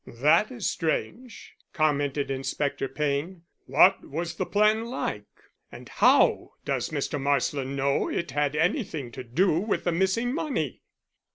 "That is strange," commented Inspector Payne. "What was the plan like? And how does Mr. Marsland know it had anything to do with the missing money?"